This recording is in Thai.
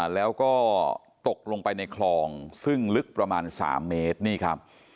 แล้วก็ตกลงไปในคลองซึ่งลึกประมาณ๓เมตรนี่ครับ